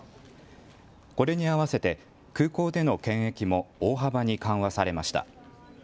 これに合わせて空港での検疫も大幅に緩和されました。